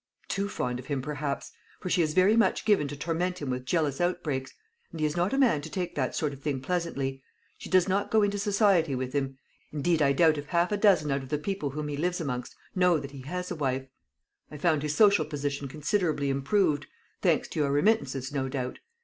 "Too fond of him, perhaps; for she is very much given to torment him with jealous outbreaks; and he is not a man to take that sort of thing pleasantly. She does not go into society with him: indeed, I doubt if half a dozen out of the people whom he lives amongst know that he has a wife. I found his social position considerably improved; thanks to your remittances, no doubt.